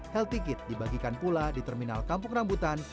healthy kit dibagikan pula di terminal kampung rambutan